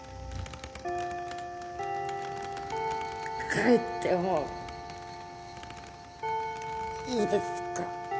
帰ってもいいですか？